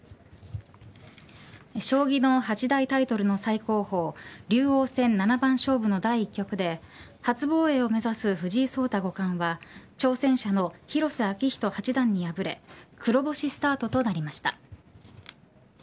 将棋の八大タイトルの最高峰竜王戦七番勝負の第１局で初防衛を目指す藤井聡太五冠は挑戦者の広瀬章人に敗れ黒星スタートとなりました。